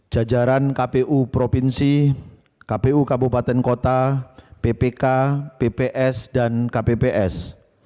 jajaran kpu provinsi kpu kabupaten kota ppk pps dan kpps